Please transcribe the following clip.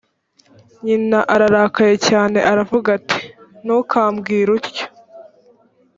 nyina ararakaye cyane aravuga ati “ntukambwire utyo”